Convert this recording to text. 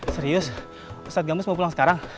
serius ustadz gambus mau pulang sekarang